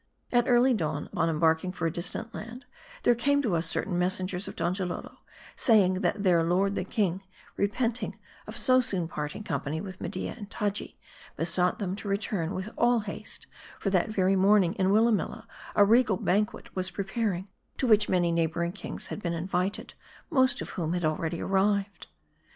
At early dawn, about embarking for a distant land, there came to us certain messengers of Donjalolo, saying that their lord the king, repenting of so soon parting company with Media and Taji, besought them to return with all haste ; for that very morning, in Willanrilla, a regal banquet was preparing ; to which many neighboring kings had been in vited, most of whom had already arrived.